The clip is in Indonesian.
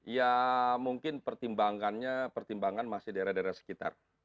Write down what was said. ya mungkin pertimbangannya masih di daerah daerah sekitar